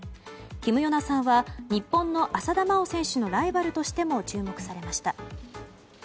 キム・ヨナさんは日本の浅田真央選手のライバルとしても注目されました。